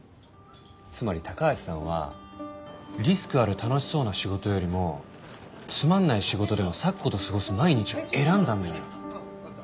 つまり高橋さんはリスクある楽しそうな仕事よりもつまんない仕事でも咲子と過ごす毎日を選んだんだよ。